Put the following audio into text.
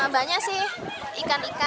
banyak sih ikan ikan